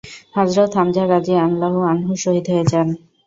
হযরত হামযা রাযিয়াল্লাহু আনহু শহীদ হয়ে যান।